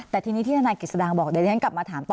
แต่ทีนี้ที่ธนายกิจสดางบอกเดี๋ยวที่ฉันกลับมาถามต่อ